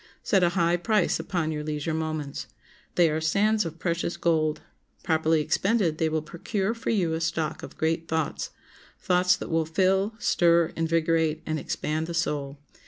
Set a high price upon your leisure moments. They are sands of precious gold; properly expended they will procure for you a stock of great thoughts—thoughts that will fill, stir, invigorate, and expand the soul.